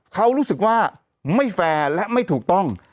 เขารู้สึกว่าไม่แฟร์และไม่ถูกต้อง